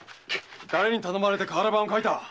誰に頼まれて瓦版を書いた？